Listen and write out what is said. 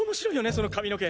その髪の毛